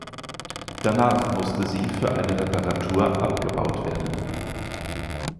Danach musste sie für eine Reparatur abgebaut werden.